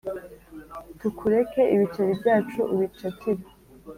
tukureke ibiceri byacu ubicakire